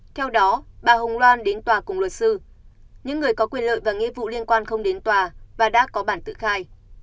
theo đó bà hồng loan đến tòa cùng luật sư những người có quyền lợi và nghĩa vụ liên quan không đến tòa và đã có bản tự khai